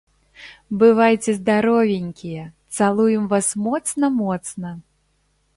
Бывайце здаровенькія цалуем вас моцна моцна.